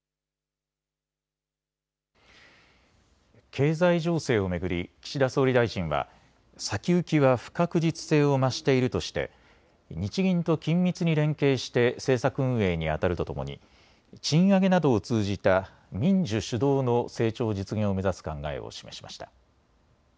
経済情勢を巡り岸田総理大臣は先行きは不確実性を増しているとして日銀と緊密に連携して政策運営にあたるとともに賃上げなどを通じた民需主導の成長実現を目指す考えを示しました。